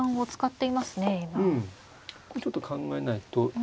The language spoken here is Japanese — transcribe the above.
ここちょっと考えないと。